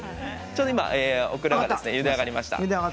ちょうどオクラがゆで上がりました。